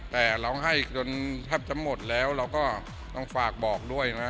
แต่ร้องไห้จนแทบจะหมดแล้วเราก็ต้องฝากบอกด้วยนะ